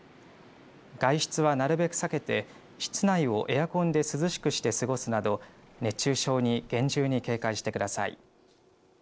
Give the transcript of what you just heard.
外出はなるべく避けて室内をエアコンで涼しくして過ごすなど、熱中症に厳重に警戒してください。